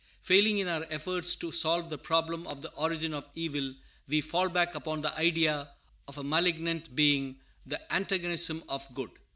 Failing in our efforts to solve the problem of the origin of evil, we fall back upon the idea of a malignant being, the antagonism of good.